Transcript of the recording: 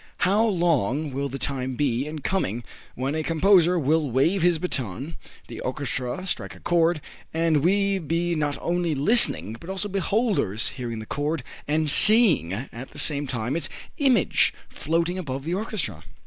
How long will the time be in coming when a composer will wave his bâton, the orchestra strike a chord and we be not only listeners but also beholders, hearing the chord, and seeing at the same time its image floating above the orchestra?